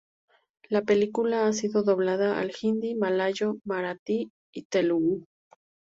La película ha sido doblada al hindi, malayo, marathi y telugú.